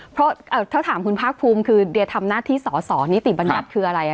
เพราะถ้าถามคุณภาคภูมิคือเดียทำหน้าที่สอสอนิติบัญญัติคืออะไร